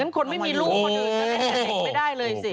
งั้นคนไม่มีลูกคนอื่นก็ไม่ได้เลยสิโอ๊ยโอ๊ย